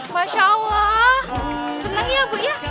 masya allah senang ya bu ya